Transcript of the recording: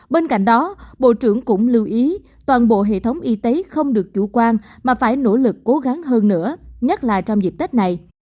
bên cạnh đó bộ trưởng cũng lưu ý toàn bộ hệ thống y tế không được chủ quan mà phải nỗ lực cố gắng hơn nữa nhất là trong dịp tết này